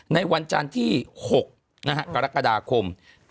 ในวันจานที่๖กรกฎาคม